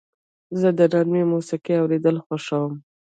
زه د نرمې موسیقۍ اورېدل خوښوم.